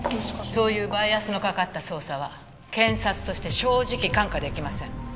そういうバイアスのかかった捜査は検察として正直看過できません。